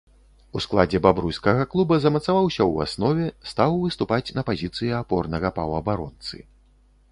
У складзе бабруйскага клуба замацаваўся ў аснове, стаў выступаць на пазіцыі апорнага паўабаронцы.